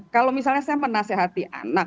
kalau misalnya saya menasehati anak